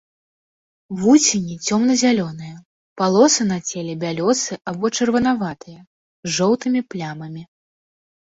Вусені цёмна-зялёныя, палосы на целе бялёсыя або чырванаватыя, з жоўтымі плямамі.